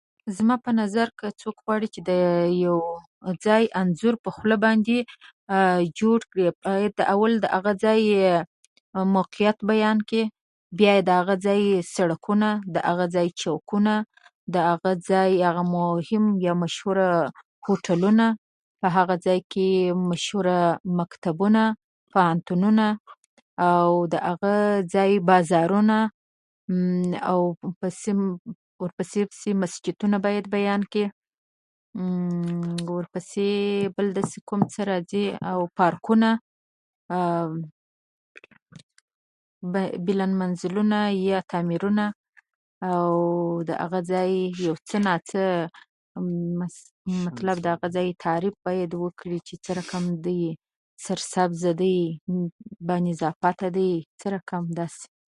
زما په نظر که څوک غواړي چې د یو ځای انځور په خوله باندې جوړ کړي، اول د هغه ځای موقعیت، موقعیت بیان کړي، بیا د هغه ځای سړکونه، بیا د هغه ځای چوکونه، بیا د هغه ځای مهم او مشهور هوټلونه، او په هغه ځای کې مشهوره مکتبونه، پوهنتونونه او د هغه ځای بازارونه او ورپسې مسجدونه باید بیان کړي. ورپسې بل داسې کوم راځي، او پارکونه، بلندمنزلونه یا تعمیرونه، او د هغه ځای یو څه ناڅه مثل، مطلب د هغه ځای تعریف باید وکړي چې څه رقم دی، سرسبزه دی، با نظافته دی، څه رقم داسې.